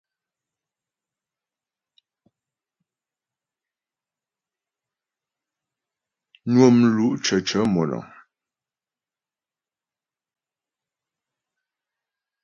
Nwə́ mlú' cəcə̂ mònə̀ŋ.